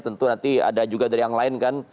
tentu nanti ada juga dari yang lain kan